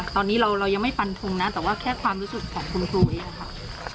ตอนนี้เรายังไม่ฟันทงนะแต่ว่าแค่ความรู้สึกของคุณครูเองค่ะ